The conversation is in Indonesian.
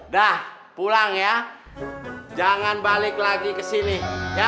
dah pulang ya jangan balik lagi ke sini